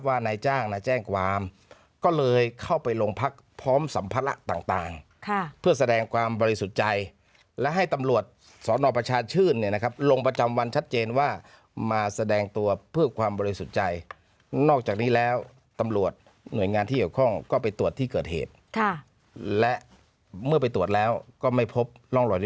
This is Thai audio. นายจ้างนะแจ้งความก็เลยเข้าไปโรงพักพร้อมสัมภาระต่างเพื่อแสดงความบริสุทธิ์ใจและให้ตำรวจสนประชาชื่นเนี่ยนะครับลงประจำวันชัดเจนว่ามาแสดงตัวเพื่อความบริสุทธิ์ใจนอกจากนี้แล้วตำรวจหน่วยงานที่เกี่ยวข้องก็ไปตรวจที่เกิดเหตุค่ะและเมื่อไปตรวจแล้วก็ไม่พบร่องรอย